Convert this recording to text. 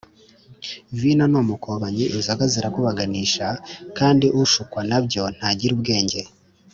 “Vino ni umukobanyi, Inzoga zirakubaganisha: Kandi ushukwa na byo ntagira ubwenge